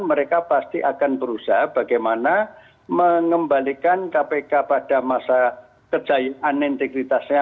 mereka pasti akan berusaha bagaimana mengembalikan kpk pada masa kejayaan integritasnya